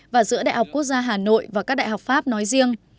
và giữa đại học quốc gia hà nội và các đại học pháp nói riêng